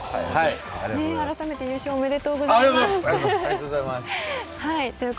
改めて優勝おめでとうございます。